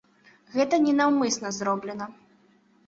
Гэта не наўмысна зроблена.